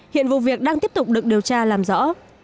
hiện vụ việc đang tiếp tục được điều tra làm rõ